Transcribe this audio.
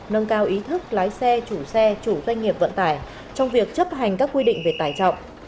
nâng cao ý thức lái xe chủ xe chủ doanh nghiệp vận tải trong việc chấp hành các quy định về tải trọng